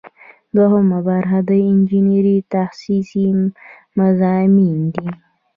دوهم برخه د انجنیری تخصصي مضامین دي.